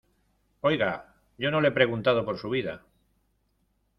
oiga, yo no le he preguntado por su vida.